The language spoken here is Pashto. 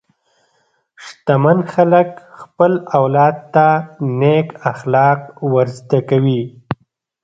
شتمن خلک خپل اولاد ته نېک اخلاق ورزده کوي.